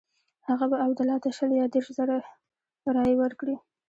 هغه به عبدالله ته شل یا دېرش زره رایې ورکړي.